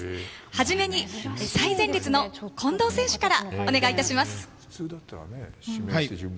初めに最前列の近藤選手からお願いいたします。